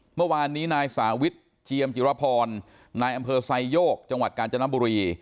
เมื่อวานนี้นายสาวิทเจียมจิรพรนายอำเภอไซโยกจังหวัดกาญจนบุรี